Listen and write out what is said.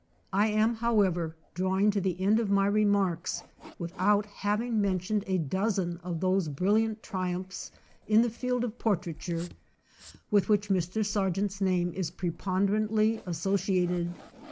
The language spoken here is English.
I am, however, drawing to the end of my remarks without having mentioned a dozen of those brill iant triumphs in the field of portraiture with which Mr. Sargent's name is pre ponderantly associated.